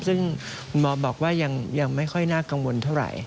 ซึ่งหมอบอกว่ายังไม่ค่อยน่ากังวลเท่าไหร่